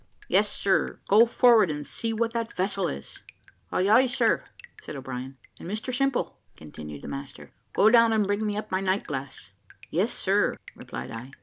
"Yes, sir; go forward, and see what that vessel is." "Ay, ay, sir," said O'Brien. "And, Mr Simple," continued the master, "go down and bring me up my night glass." "Yes, sir," replied I.